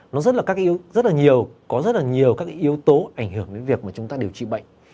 nó rất là nhiều có rất là nhiều các yếu tố ảnh hưởng đến việc mà chúng ta điều trị bệnh